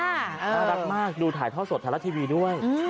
น่ารักมากดูถ่ายท่อสดทะละทีวีด้วย